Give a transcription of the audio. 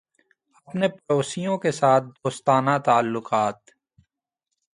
اپنے پڑوسیوں کے ساتھ دوستانہ تعلقات